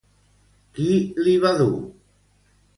Qui li va dur?